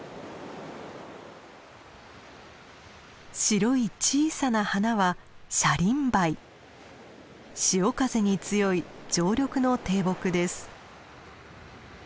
白い小さな花は潮風に強い常緑の低木です。